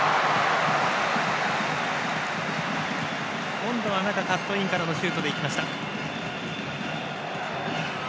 今度は中、カットインからのシュートでいきました。